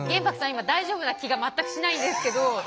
今大丈夫な気が全くしないんですけど。